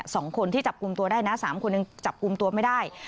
สองคนที่จับกลุ่มตัวได้นะสามคนยังจับกลุ่มตัวไม่ได้